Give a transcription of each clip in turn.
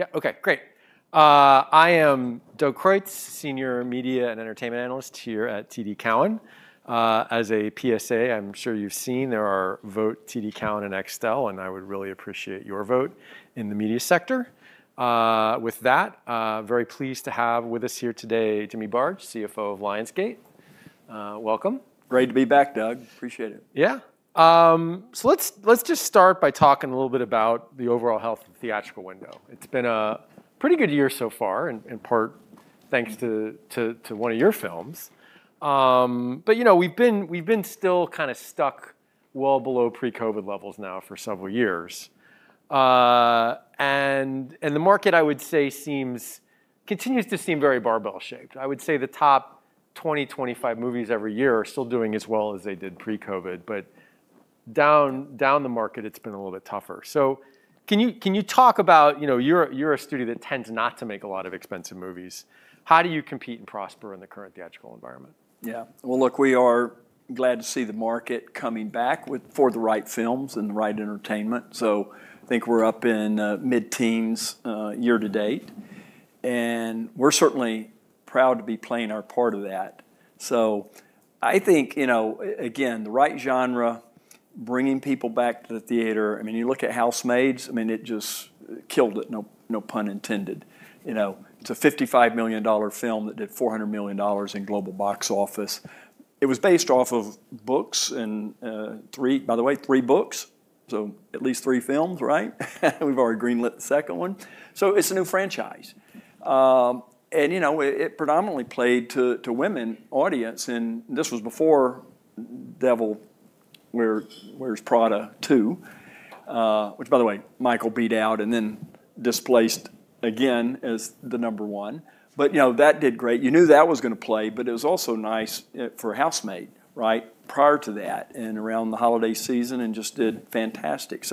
Yeah. Okay, great. I am Doug Creutz, Senior Media and Entertainment Analyst here at TD Cowen. As a PSA, I'm sure you've seen there are Vote TD Cowen and Extel, and I would really appreciate your vote in the media sector. With that, very pleased to have with us here today, Jimmy Barge, CFO of Lionsgate. Welcome. Great to be back, Doug. Appreciate it. Let's just start by talking a little bit about the overall health of theatrical window. It's been a pretty good year so far, in part thanks to one of your films. We've been still kind of stuck well below pre-COVID levels now for several years. The market, I would say, continues to seem very barbell-shaped. I would say the top 20, 25 movies every year are still doing as well as they did pre-COVID. Down the market, it's been a little bit tougher. Can you talk about, you're a studio that tends not to make a lot of expensive movies. How do you compete and prosper in the current theatrical environment? Well, look, we are glad to see the market coming back with for the right films and the right entertainment. I think we're up in mid-teens year to date, and we're certainly proud to be playing our part of that. I think, again, the right genre, bringing people back to the theater. You look at The Housemaid, it just killed it, no pun intended. It's a $55 million film that did $400 million in global box office. It was based off of books and by the way, three books, so at least three films, right? We've already greenlit the second one. It's a new franchise. It predominantly played to women audience, and this was before The Devil Wears Prada two, which by the way, Michael beat out and then displaced again as the number one. That did great. You knew that was going to play, it was also nice for Housemaid right prior to that and around the holiday season and just did fantastic.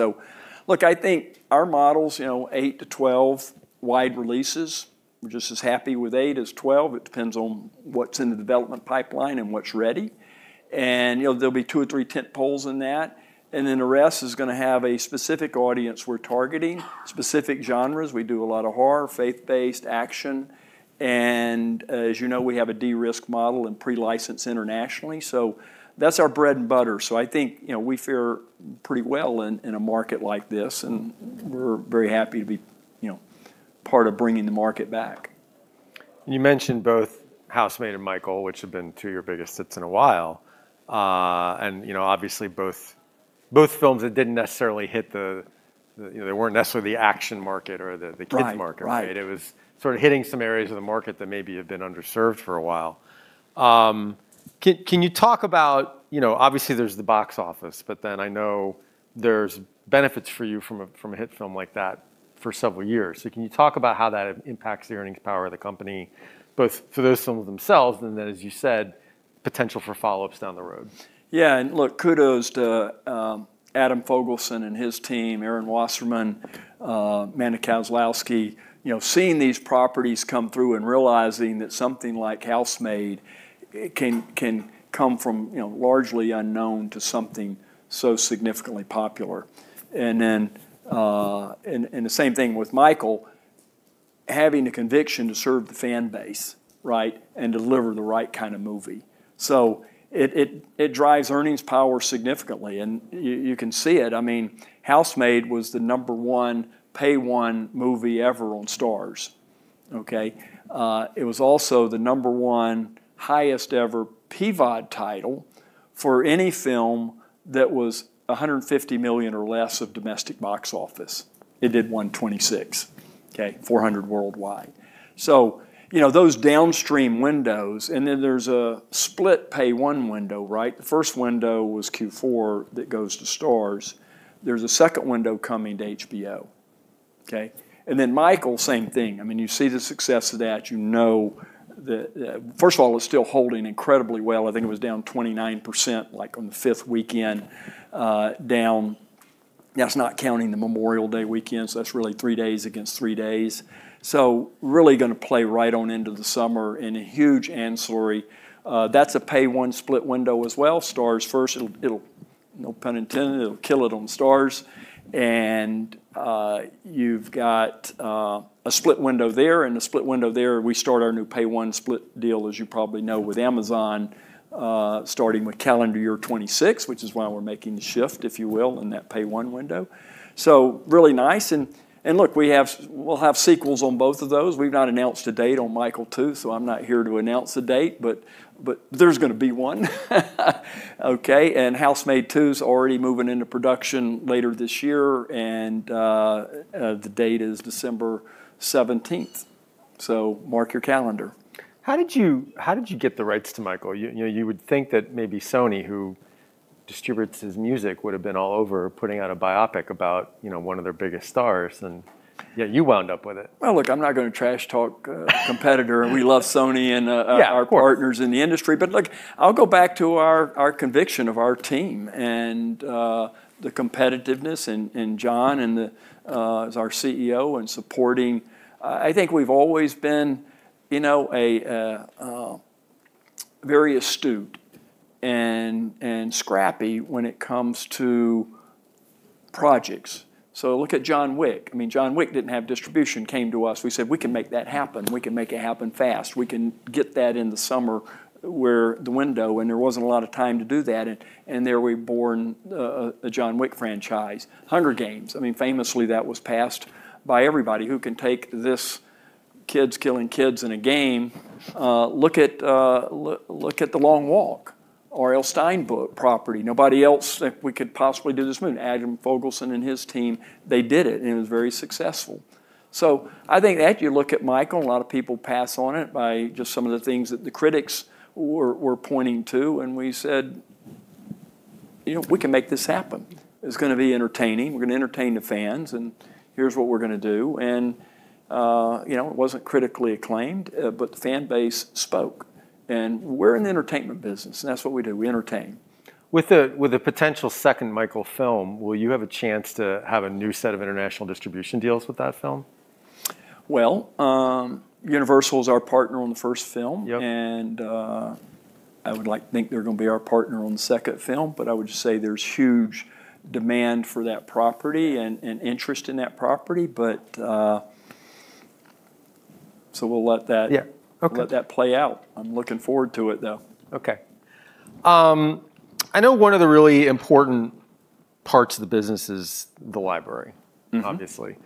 Look, I think our models, eight-12 wide releases, we're just as happy with eight as 12. It depends on what's in the development pipeline and what's ready. There'll be two or three tent poles in that. Then the rest is going to have a specific audience we're targeting, specific genres. We do a lot of horror, faith-based, action, and as you know, we have a de-risk model and pre-license internationally. That's our bread and butter. I think we fare pretty well in a market like this, and we're very happy to be part of bringing the market back. You mentioned both The Housemaid and Michael, which have been two of your biggest hits in a while. Obviously both films that weren't necessarily the action market or the kids market, right? Right. It was sort of hitting some areas of the market that maybe have been underserved for a while. Can you talk about, obviously, there's the box office, but then I know there's benefits for you from a hit film like that for several years. Can you talk about how that impacts the earnings power of the company, both for those films themselves and then, as you said, potential for follow-ups down the road? Yeah. Look, kudos to Adam Fogelson and his team, Erin Wasterman, Manny Kozlowski, seeing these properties come through and realizing that something like "Housemaid" can come from largely unknown to something so significantly popular. The same thing with "Michael," having the conviction to serve the fan base, right, and deliver the right kind of movie. It drives earnings power significantly, and you can see it. "Housemaid" was the number 1 Pay-One movie ever on Starz, okay? It was also the number 1 highest ever PVOD title for any film that was $150 million or less of domestic box office. It did $126, okay, $400 worldwide. Those downstream windows, and then there's a split Pay-One window, right? The first window was Q4 that goes to Starz. There's a second window coming to HBO. Okay? Then "Michael," same thing. You see the success of that, you know that, first of all, it's still holding incredibly well. I think it was down 29%, like on the fifth weekend, down. That's not counting the Memorial Day weekend. That's really three days against three days. Really going to play right on into the summer in a huge ancillary. That's a Pay-One split window as well. Starz first, no pun intended, it'll kill it on Starz. You've got a split window there and a split window there. We start our new Pay-One split deal, as you probably know, with Amazon, starting with calendar year 2026, which is why we're making the shift, if you will, in that Pay-One window. Really nice. Look, we'll have sequels on both of those. We've not announced a date on "Michael 2," I'm not here to announce a date, but there's going to be one. Okay. "Housemaid 2's" already moving into production later this year, and the date is December 17th. Mark your calendar. How did you get the rights to Michael? You would think that maybe Sony, who distributes his music, would have been all over putting out a biopic about one of their biggest stars, and yet you wound up with it. Well, look, I'm not going to trash talk a competitor. Yeah, of course. our partners in the industry. Look, I'll go back to our conviction of our team and the competitiveness in Jon as our CEO and supporting. I think we've always been a very astute and scrappy when it comes to projects. Look at "John Wick." I mean, "John Wick" didn't have distribution, came to us. We said, "We can make that happen. We can make it happen fast. We can get that in the summer," where the window and there wasn't a lot of time to do that. There was born the "John Wick" franchise. "The Hunger Games," I mean, famously that was passed by everybody. Who can take this kids killing kids in a game? Look at "The Long Walk," R.L. Stine book property. Nobody else thought we could possibly do this movie. Adam Fogelson and his team, they did it, and it was very successful. I think that you look at "Michael," a lot of people pass on it by just some of the things that the critics were pointing to, we said, "We can make this happen. It's going to be entertaining. We're going to entertain the fans, and here's what we're going to do." It wasn't critically acclaimed, but the fan base spoke. We're in the entertainment business, and that's what we do, we entertain. With a potential second "Michael" film, will you have a chance to have a new set of international distribution deals with that film? Well, Universal's our partner on the first film. Yep. I would think they're going to be our partner on the second film, but I would just say there's huge demand for that property and interest in that property. Yeah. Okay. Let that play out. I am looking forward to it, though. Okay. I know one of the really important parts of the business is the library. Obviously.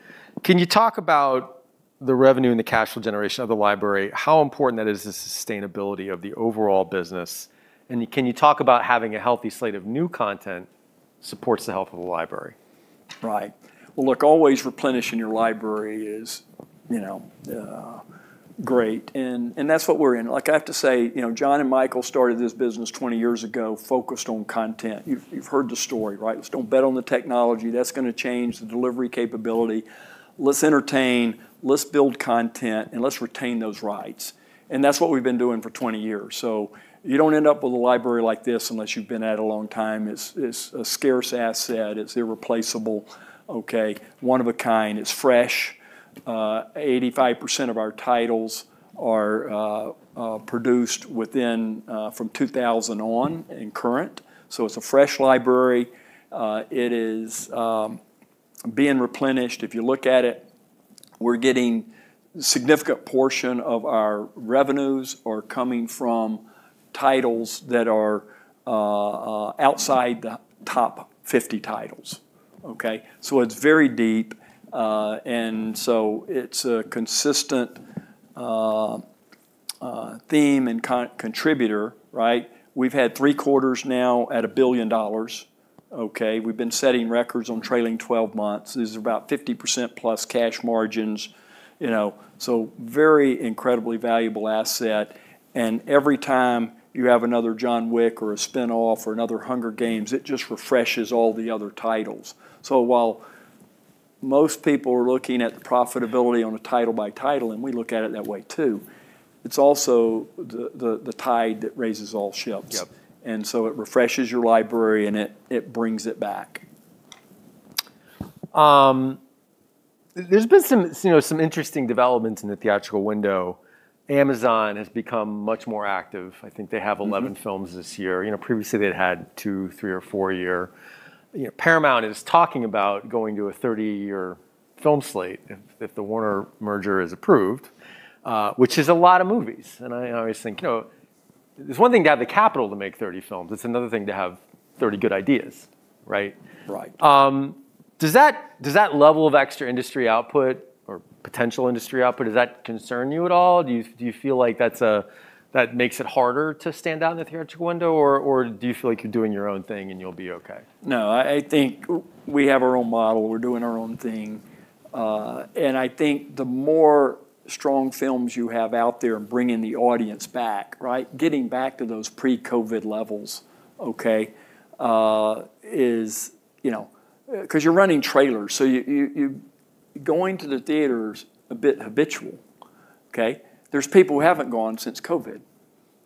Can you talk about the revenue and the cash flow generation of the library, how important that is to sustainability of the overall business? Can you talk about having a healthy slate of new content supports the health of a library? Right. Well, look, always replenishing your library is great. That's what we're in. I have to say, Jon and Michael started this business 20 years ago, focused on content. You've heard the story, right? Let's don't bet on the technology. That's going to change the delivery capability. Let's entertain, let's build content, and let's retain those rights. That's what we've been doing for 20 years. You don't end up with a library like this unless you've been at it a long time. It's a scarce asset. It's irreplaceable. Okay. One of a kind. It's fresh. 85% of our titles are produced within from 2000 on and current. It's a fresh library. It is being replenished. If you look at it, we're getting significant portion of our revenues are coming from titles that are outside the top 50 titles. Okay? It's very deep, and so it's a consistent theme and contributor, right? We've had three quarters now at $1 billion. Okay. We've been setting records on trailing 12 months. This is about 50% plus cash margins. Very incredibly valuable asset. Every time you have another "John Wick" or a spinoff or another "Hunger Games," it just refreshes all the other titles. While most people are looking at the profitability on a title by title, and we look at it that way too, it's also the tide that raises all ships. Yep. It refreshes your library, and it brings it back. There's been some interesting developments in the theatrical window. Amazon has become much more active. I think they have 11 films this year. Previously they'd had two, three, or four a year. Paramount is talking about going to a 30-film slate if the Warner merger is approved, which is a lot of movies. I always think, it's one thing to have the capital to make 30 films. It's another thing to have 30 good ideas, right? Right. Does that level of extra industry output or potential industry output, does that concern you at all? Do you feel like that makes it harder to stand out in the theatrical window, or do you feel like you're doing your own thing, and you'll be okay? No, I think we have our own model. We're doing our own thing. I think the more strong films you have out there and bringing the audience back, right, getting back to those pre-COVID levels, okay, because you're running trailers. You're going to the theater is a bit habitual. Okay? There's people who haven't gone since COVID.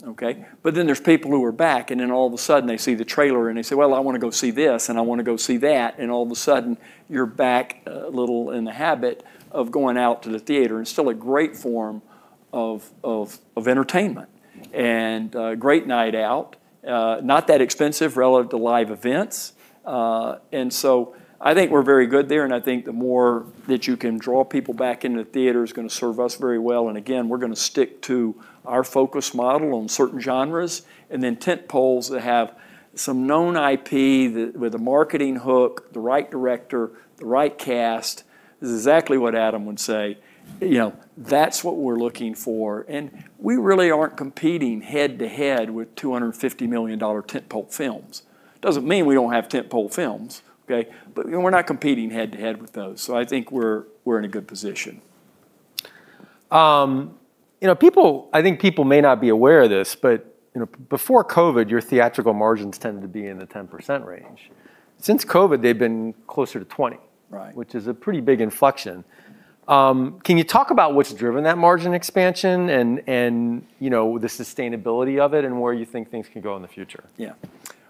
Okay? There's people who are back, and then all of a sudden they see the trailer, and they say, "Well, I want to go see this, and I want to go see that." All of a sudden, you're back a little in the habit of going out to the theater, and still a great form of entertainment. A great night out. Not that expensive relative to live events. I think we're very good there, and I think the more that you can draw people back into the theater is going to serve us very well. Again, we're going to stick to our focus model on certain genres, and then tentpoles that have some known IP with a marketing hook, the right director, the right cast. This is exactly what Adam would say. That's what we're looking for. We really aren't competing head to head with $250 million tentpole films. Doesn't mean we don't have tentpole films, okay, but we're not competing head to head with those. I think we're in a good position. I think people may not be aware of this, but before COVID, your theatrical margins tended to be in the 10% range. Since COVID, they've been closer to 20%. Right. Which is a pretty big inflection. Can you talk about what's driven that margin expansion and the sustainability of it and where you think things can go in the future?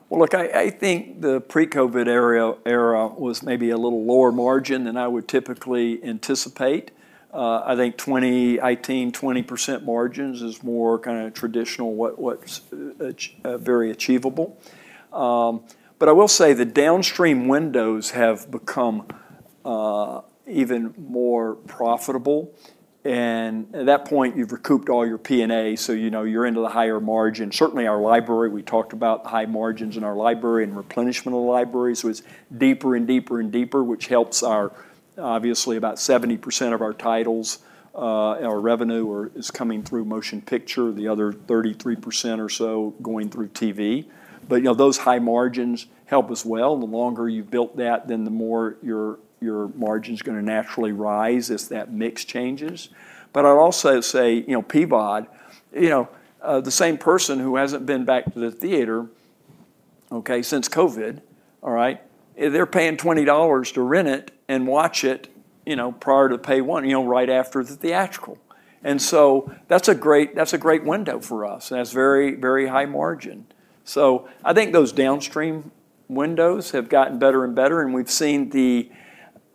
Well, look, I think the pre-COVID era was maybe a little lower margin than I would typically anticipate. I think 2019, 20% margins is more kind of traditional, what's very achievable. I will say the downstream windows have become even more profitable, and at that point, you've recouped all your P&A, so you're into the higher margin. Certainly our library, we talked about the high margins in our library and replenishment of the library, so it's deeper and deeper and deeper, which helps our, obviously, about 70% of our titles, our revenue is coming through motion picture, the other 33% or so going through TV. Those high margins help as well. The longer you've built that, the more your margin's going to naturally rise as that mix changes. I'd also say, PVOD, the same person who hasn't been back to the theater, okay, since COVID, all right, they're paying $20 to rent it and watch it prior to Pay-One window, right after the theatrical. That's a great window for us, and that's very high margin. I think those downstream windows have gotten better and better, and we've seen the,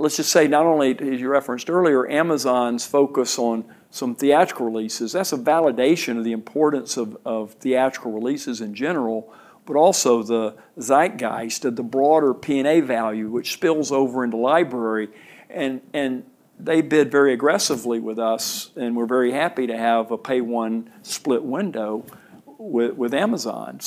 let's just say not only, as you referenced earlier, Amazon's focus on some theatrical releases. That's a validation of the importance of theatrical releases in general, but also the zeitgeist of the broader P&A value, which spills over into library, and they bid very aggressively with us, and we're very happy to have a Pay-One window split window with Amazon.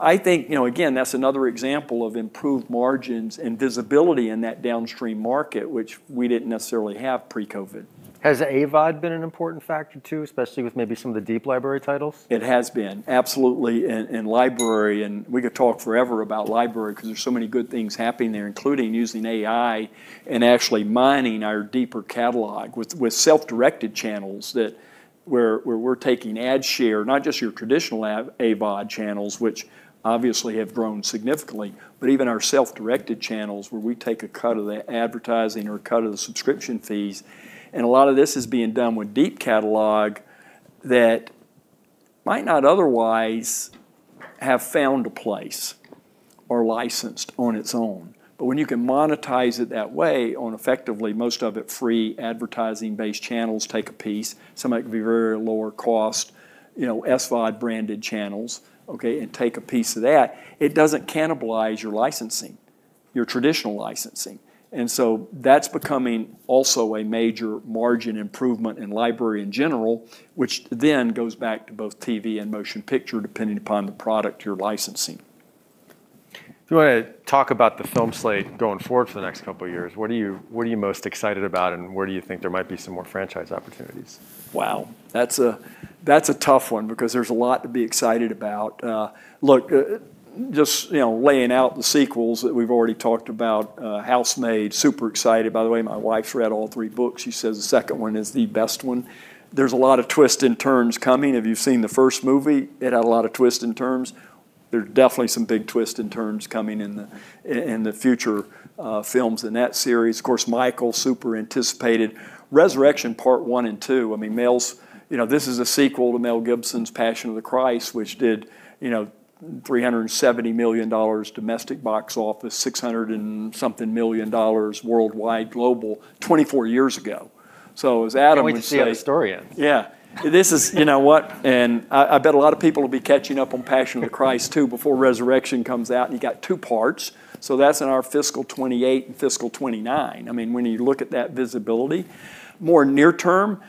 I think, again, that's another example of improved margins and visibility in that downstream market, which we didn't necessarily have pre-COVID. Has AVOD been an important factor too, especially with maybe some of the deep library titles? It has been, absolutely. Library, and we could talk forever about library because there's so many good things happening there, including using AI and actually mining our deeper catalog with self-directed channels that where we're taking ad share, not just your traditional AVOD channels, which obviously have grown significantly, but even our self-directed channels where we take a cut of the advertising or a cut of the subscription fees. A lot of this is being done with deep catalog that might not otherwise have found a place or licensed on its own. When you can monetize it that way on effectively most of it free advertising-based channels take a piece, some might be very lower cost, SVOD-branded channels, okay, and take a piece of that, it doesn't cannibalize your licensing, your traditional licensing. That's becoming also a major margin improvement in library in general, which then goes back to both TV and motion picture, depending upon the product you're licensing. If you want to talk about the film slate going forward for the next couple of years, what are you most excited about and where do you think there might be some more franchise opportunities? Wow. That's a tough one because there's a lot to be excited about. Look, just laying out the sequels that we've already talked about. "Housemaid," super excited. By the way, my wife's read all three books. She says the second one is the best one. There's a lot of twists and turns coming. If you've seen the first movie, it had a lot of twists and turns. There's definitely some big twists and turns coming in the future films in that series. Of course, "Michael," super anticipated. "Resurrection Part One and Two," this is a sequel to Mel Gibson's "Passion of the Christ," which did $370 million domestic box office, $600 and something million dollars worldwide global 24 years ago. As Adam would say. Can't wait to see how the story ends. Yeah. You know what? I bet a lot of people will be catching up on "The Passion of the Christ" too before "The Resurrection of the Christ" comes out, and you got two parts. That's in our fiscal 2028 and fiscal 2029. When you look at that visibility. More near-term,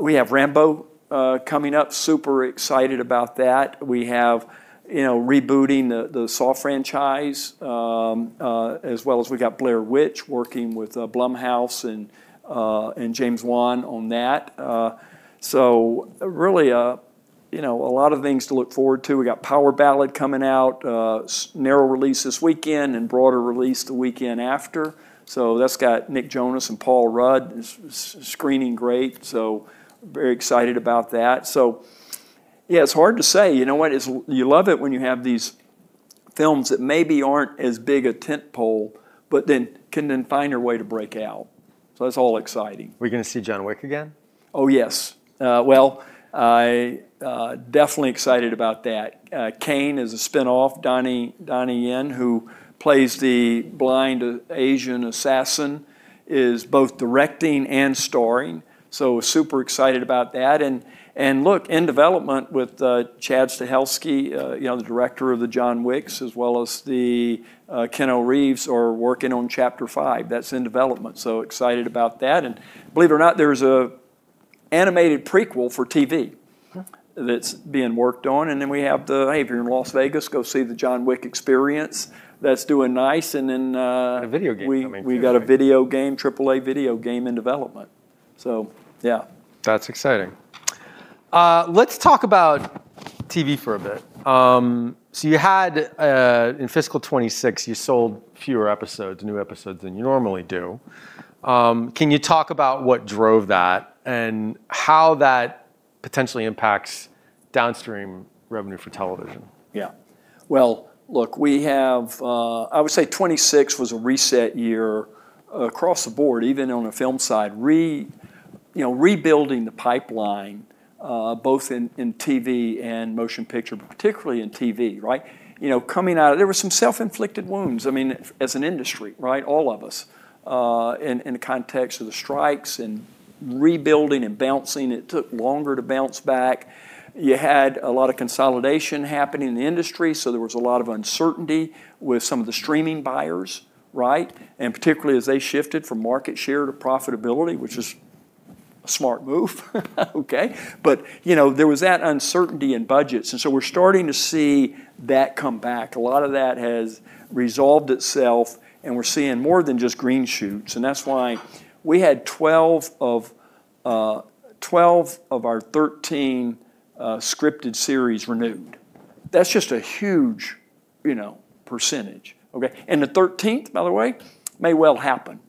we have "Rambo" coming up, super excited about that. We have rebooting the "Saw" franchise, as well as we got "Blair Witch" working with Blumhouse and James Wan on that. Really, a lot of things to look forward to. We got "Power Ballad" coming out, narrow release this weekend and broader release the weekend after. That's got Nick Jonas and Paul Rudd. It's screening great, so very excited about that. Yeah, it's hard to say. You know what? You love it when you have these films that maybe aren't as big a tent pole, but then can then find their way to break out. That's all exciting. Are we going to see John Wick again? Oh, yes. Well, definitely excited about that. "Caine" is a spinoff. Donnie Yen, who plays the blind Asian assassin, super excited about that. Look, in development with Chad Stahelski, the director of the "John Wick," as well as Keanu Reeves are working on "Chapter five." That's in development, excited about that. Believe it or not, there's an animated prequel for TV that's being worked on. Then we have the, "Hey, if you're in Las Vegas, go see the John Wick Experience." That's doing nice. A video game coming too, right? We've got a video game, AAA video game in development. Yeah. That's exciting. Let's talk about TV for a bit. You had, in fiscal 2026, you sold fewer episodes, new episodes than you normally do. Can you talk about what drove that and how that potentially impacts downstream revenue for television? Yeah. Well, look, I would say 2026 was a reset year across the board, even on the film side rebuilding the pipeline, both in TV and motion picture, but particularly in TV, right? There were some self-inflicted wounds, as an industry, right? All of us. In the context of the strikes and rebuilding and bouncing, it took longer to bounce back. You had a lot of consolidation happening in the industry, so there was a lot of uncertainty with some of the streaming buyers, right? Particularly as they shifted from market share to profitability, which is a smart move. Okay. There was that uncertainty in budgets, and so we're starting to see that come back. A lot of that has resolved itself, and we're seeing more than just green shoots, and that's why we had 12 of our 13 scripted series renewed. That's just a huge percentage. Okay. The 13th, by the way, may well happen.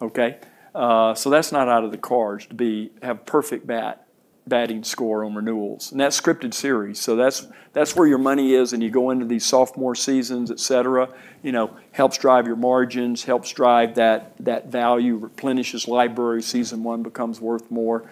Okay? That's not out of the cards to have perfect batting score on renewals, and that's scripted series. That's where your money is, and you go into these sophomore seasons, et cetera. Helps drive your margins, helps drive that value, replenishes library, season one becomes worth more.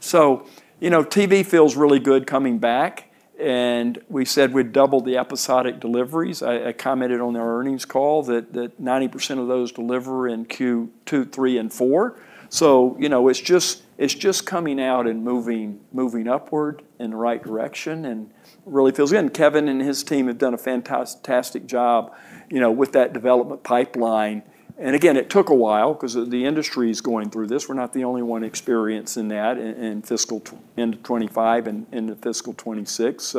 TV feels really good coming back, and we said we'd double the episodic deliveries. I commented on our earnings call that 90% of those deliver in Q2, three, and four. It's just coming out and moving upward in the right direction, and really feels good. Kevin and his team have done a fantastic job with that development pipeline. Again, it took a while because the industry's going through this. We're not the only one experiencing that in fiscal end of 2025 and into fiscal 2026.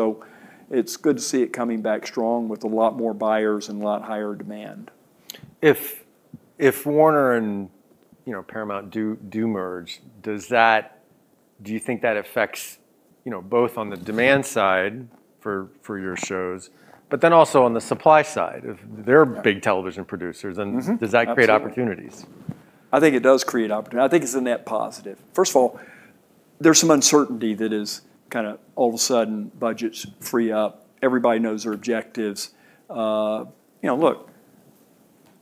It's good to see it coming back strong with a lot more buyers and a lot higher demand. If Warner and Paramount do merge, do you think that affects both on the demand side for your shows, but then also on the supply side? If they're big television producers- Mm-hmm. Absolutely. does that create opportunities? I think it does create opportunity. I think it's a net positive. First of all, there's some uncertainty that is kind of all of a sudden budgets free up. Everybody knows their objectives. Look,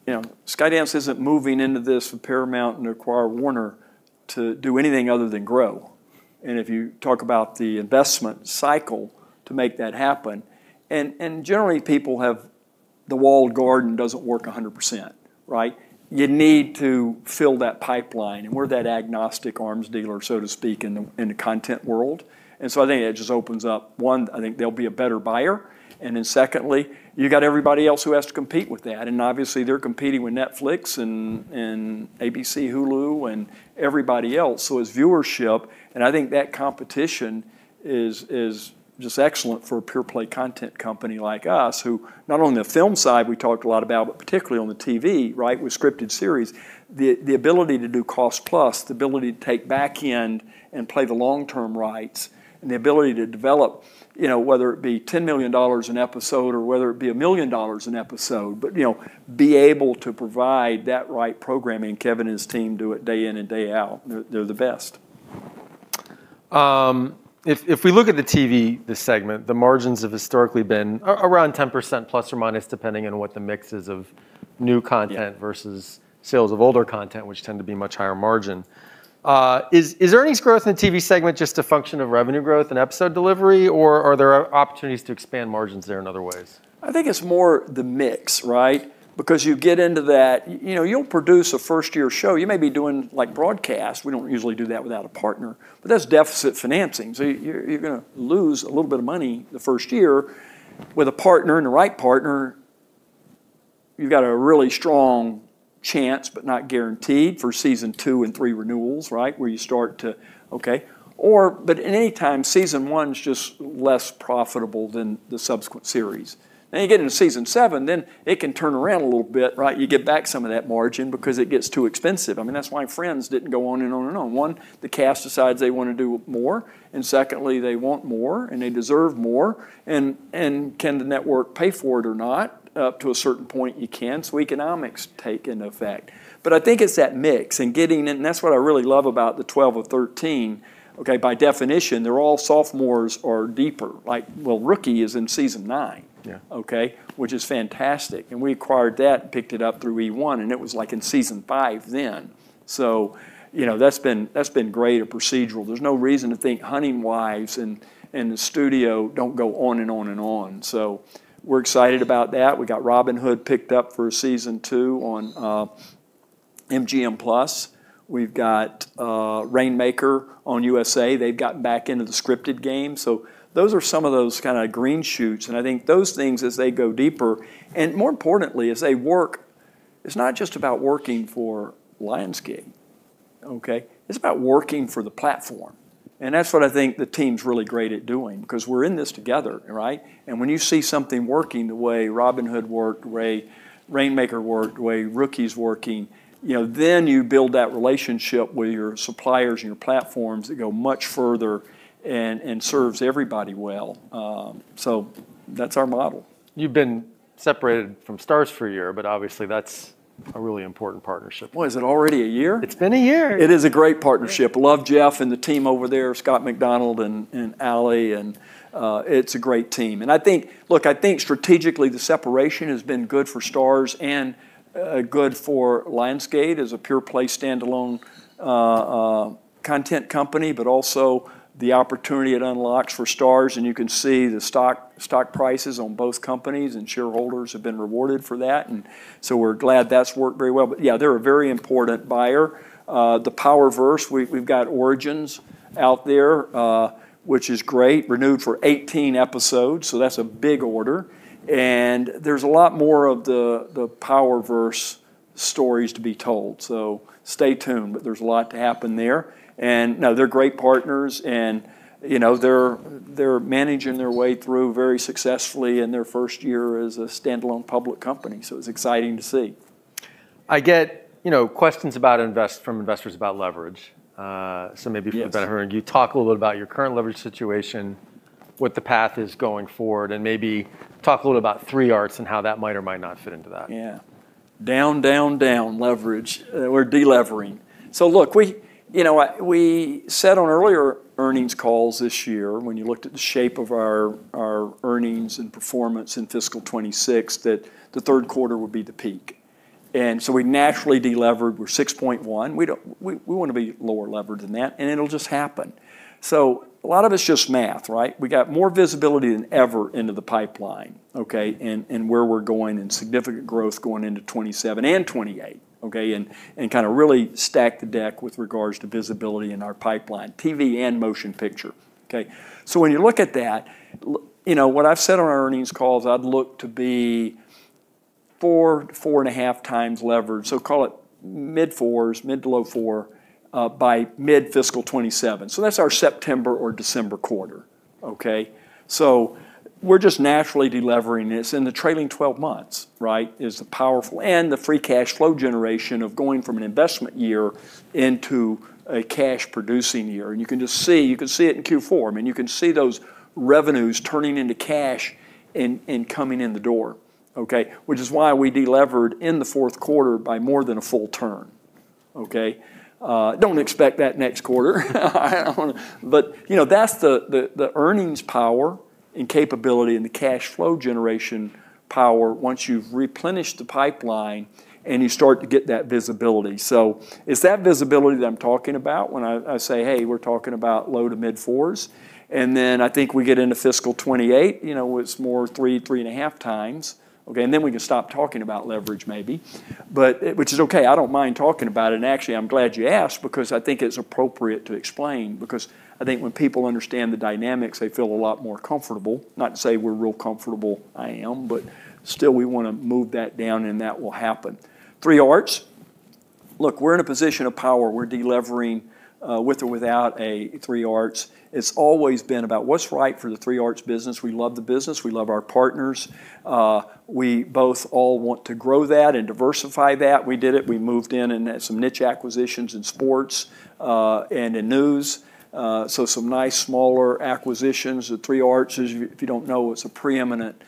Skydance isn't moving into this with Paramount and acquire Warner to do anything other than grow, and if you talk about the investment cycle to make that happen. Generally, people have the walled garden doesn't work 100%, right? You need to fill that pipeline, and we're that agnostic arms dealer, so to speak, in the content world. I think it just opens up, one, I think they'll be a better buyer, and then secondly, you got everybody else who has to compete with that, and obviously they're competing with Netflix and ABC, Hulu, and everybody else. As viewership, and I think that competition is just excellent for a pure-play content company like us, who not only on the film side we talked a lot about, but particularly on the TV, right, with scripted series. The ability to do cost plus, the ability to take back end and play the long-term rights, and the ability to develop, whether it be $10 million an episode or whether it be $1 million an episode. Be able to provide that right programming. Kevin and his team do it day in and day out. They're the best. If we look at the TV segment, the margins have historically been around ±10%, depending on what the mix is of new content. Yeah versus sales of older content, which tend to be much higher margin. Is earnings growth in the TV segment just a function of revenue growth and episode delivery, or are there opportunities to expand margins there in other ways? I think it's more the mix, right? You don't produce a first-year show. You may be doing broadcast. We don't usually do that without a partner. That's deficit financing. You're going to lose a little bit of money the first year. With a partner and the right partner, you've got a really strong chance, but not guaranteed, for season two and three renewals, right? At any time, season one's just less profitable than the subsequent series. You get into season seven, it can turn around a little bit, right? You get back some of that margin because it gets too expensive. That's why "Friends" didn't go on and on and on. One, the cast decides they want to do more, secondly, they want more, and they deserve more. Can the network pay for it or not? Up to a certain point, you can. Economics take into effect. I think it's that mix and getting in, that's what I really love about the 12 of 13. Okay, by definition, they're all sophomores or deeper. Like, well, "The Rookie" is in season nine. Yeah. Which is fantastic. We acquired that and picked it up through eOne, and it was in season five. That's been great, a procedural. There's no reason to think "The Hunting Wives" and "The Studio" don't go on and on and on. We're excited about that. We got "Robin Hood" picked up for season two on MGM+. We've got "The Rainmaker" on USA. They've gotten back into the scripted game. Those are some of those kind of green shoots, and I think those things, as they go deeper, and more importantly, as they work, it's not just about working for Lionsgate. It's about working for the platform. That's what I think the team's really great at doing because we're in this together. When you see something working the way "Robin Hood" worked, the way "The Rainmaker" worked, the way "The Rookie's" working, then you build that relationship with your suppliers and your platforms that go much further and serves everybody well. That's our model. You've been separated from Starz for a year, but obviously, that's a really important partnership. What, is it already a year? It's been a year. It is a great partnership. Love Jeffrey Hirsch and the team over there, Scott Macdonald and Ali. It's a great team. I think strategically the separation has been good for Starz and good for Lionsgate as a pure play standalone content company, but also the opportunity it unlocks for Starz. You can see the stock prices on both companies, shareholders have been rewarded for that. We're glad that's worked very well. Yeah, they're a very important buyer. The Powerverse, we've got Origins out there, which is great. Renewed for 18 episodes, that's a big order. There's a lot more of the Powerverse stories to be told. Stay tuned, there's a lot to happen there. No, they're great partners, they're managing their way through very successfully in their first year as a standalone public company. It's exciting to see. I get questions from investors about leverage. Yes You talk a little bit about your current leverage situation, what the path is going forward, and maybe talk a little about t3Arts and how that might or might not fit into that. Yeah. Down, down leverage. We're de-levering. Look, we said on earlier earnings calls this year, when you looked at the shape of our earnings and performance in fiscal 2026, that the third quarter would be the peak. We naturally de-levered. We're 6.1. We want to be lower levered than that, and it'll just happen. A lot of it's just math, right. We got more visibility than ever into the pipeline. Okay. Where we're going in significant growth going into 2027 and 2028. Okay. Kind of really stack the deck with regards to visibility in our pipeline, TV and motion picture. Okay. When you look at that, what I've said on our earnings calls, I'd look to be four and a half times leverage. Call it mid fours, mid to low four, by mid fiscal 2027. That's our September or December quarter. We're just naturally de-levering this in the trailing 12 months. Is the powerful and the free cash flow generation of going from an investment year into a cash producing year. You can just see, you can see it in Q4. I mean, you can see those revenues turning into cash and coming in the door. Which is why we de-levered in the fourth quarter by more than a full turn. Don't expect that next quarter. That's the earnings power and capability, and the cash flow generation power once you've replenished the pipeline and you start to get that visibility. It's that visibility that I'm talking about when I say, "Hey, we're talking about low to mid fours." Then I think we get into fiscal 2028, it's more three and a half times. We can stop talking about leverage maybe. Which is okay, I don't mind talking about it. Actually, I'm glad you asked because I think it's appropriate to explain. I think when people understand the dynamics, they feel a lot more comfortable. Not to say we're real comfortable, I am, but still, we want to move that down, and that will happen. 3 Arts, look, we're in a position of power. We're de-levering with or without a three Arts. It's always been about what's right for the 3 Arts business. We love the business. We love our partners. We both all want to grow that and diversify that. We did it. We moved in and had some niche acquisitions in sports, and in news. Some nice smaller acquisitions. The three Arts is, if you don't know, it's a preeminent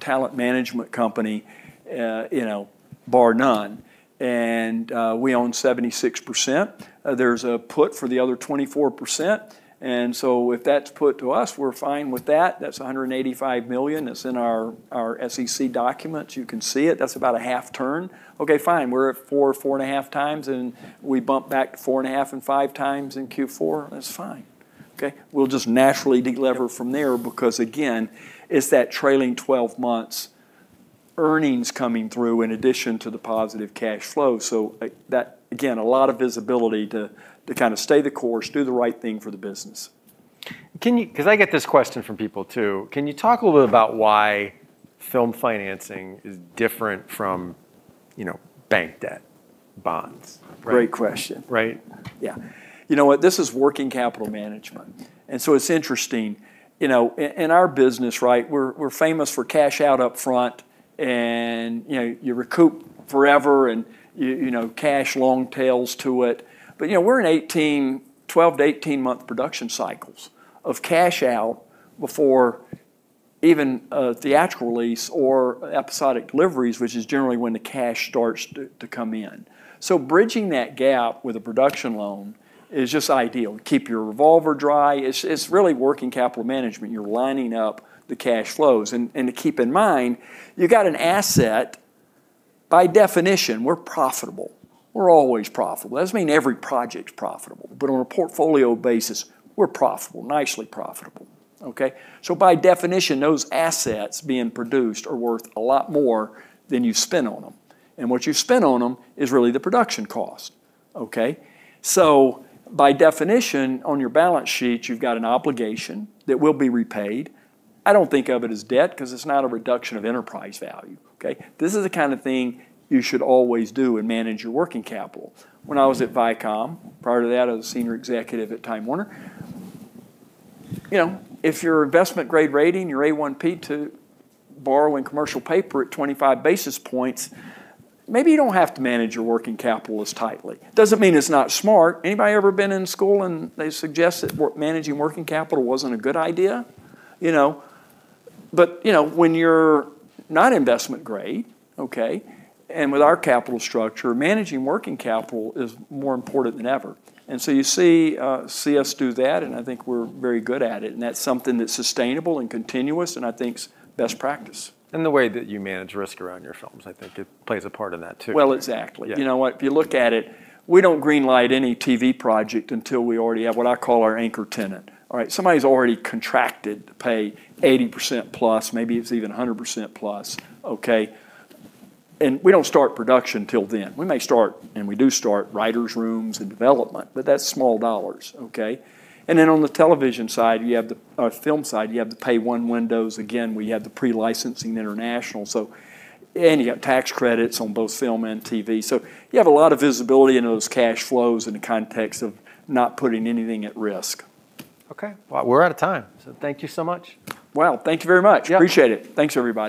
talent management company, bar none. We own 76%. There's a put for the other 24%. If that's put to us, we're fine with that. That's $185 million. It's in our SEC documents. You can see it. That's about a half turn. Okay, fine, we're at four and a half times, and we bump back to four and a half and five times in Q4. That's fine. Okay. We'll just naturally de-lever from there because, again, it's that trailing 12 months earnings coming through in addition to the positive cash flow. That, again, a lot of visibility to kind of stay the course, do the right thing for the business. I get this question from people too. Can you talk a little bit about why film financing is different from bank debt bonds? Right? Great question. Right? Yeah. You know what? This is working capital management. It's interesting. In our business, right, we're famous for cash out upfront and you recoup forever and cash long tails to it. We're in 12-18-month production cycles of cash out before even a theatrical release or episodic deliveries, which is generally when the cash starts to come in. Bridging that gap with a production loan is just ideal to keep your revolver dry. It's really working capital management. You're lining up the cash flows. To keep in mind, you got an asset, by definition, we're profitable. We're always profitable. Doesn't mean every project's profitable. On a portfolio basis, we're profitable. Nicely profitable. Okay? By definition, those assets being produced are worth a lot more than you spent on them. What you spent on them is really the production cost. Okay? By definition, on your balance sheet, you've got an obligation that will be repaid. I don't think of it as debt because it's not a reduction of enterprise value, okay? This is the kind of thing you should always do and manage your working capital. When I was at Viacom, prior to that I was a senior executive at Time Warner. If your investment grade rating, your A1/P1 to borrowing commercial paper at 25 basis points, maybe you don't have to manage your working capital as tightly. Doesn't mean it's not smart. Anybody ever been in school and they suggest that managing working capital wasn't a good idea? When you're not investment grade, okay, and with our capital structure, managing working capital is more important than ever. You see us do that, and I think we're very good at it. That's something that's sustainable and continuous, and I think is best practice. The way that you manage risk around your films, I think it plays a part in that too. Well, exactly. Yeah. You know what? If you look at it, we don't green light any TV project until we already have what I call our anchor tenant. All right? Somebody's already contracted to pay 80% plus, maybe it's even 100% plus. Okay? We don't start production till then. We may start, and we do start writer's rooms and development, but that's small dollars. Okay? Then on the television side, you have the, or film side, you have the Pay-One window again, where you have the pre-licensing international. You got tax credits on both film and TV. You have a lot of visibility into those cash flows in the context of not putting anything at risk. Okay. Well, we're out of time. Thank you so much. Wow. Thank you very much. Yeah. Appreciate it. Thanks everybody.